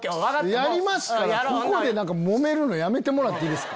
やりますからここでもめるのやめてもらっていいですか？